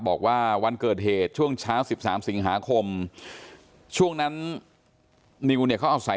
บอกว่าวันเกิดเหตุช่วงเช้า๑๓สิงหาคมช่วงนั้นนิวเนี่ยเขาอาศัย